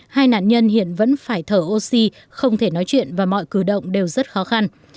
hai nạn nhân hiện vẫn phải thở oxy không thể nói chuyện và mọi cử động đều rất khó khăn